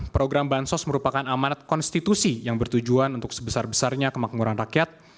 program bansos merupakan amanat konstitusi yang bertujuan untuk sebesar besarnya kemakmuran rakyat